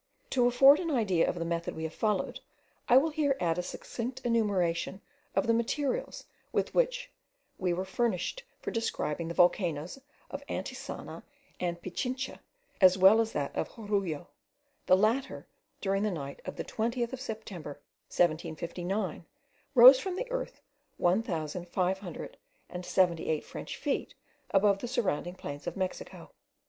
To afford an idea of the method we have followed, I will here add a succinct enumeration of the materials with which we were furnished for describing the volcanoes of Antisana and Pichincha, as well as that of Jorullo: the latter, during the night of the 20th of September, 1759, rose from the earth one thousand five hundred and seventy eight French feet above the surrounding plains of Mexico.